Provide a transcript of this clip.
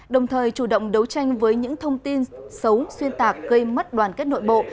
đồng thời chủ động đấu tranh với những thông tin xấu xuyên tạc gây mất đoàn kết nội bộ